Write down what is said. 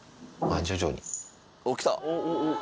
徐々に。